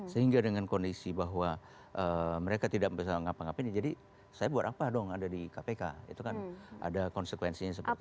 sehingga dengan kondisi bahwa mereka tidak bisa ngapa ngapain jadi saya buat apa dong ada di kpk itu kan ada konsekuensinya seperti itu